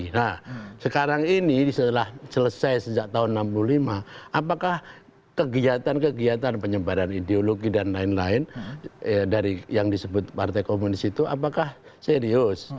nah sekarang ini setelah selesai sejak tahun seribu sembilan ratus enam puluh lima apakah kegiatan kegiatan penyebaran ideologi dan lain lain dari yang disebut partai komunis itu apakah serius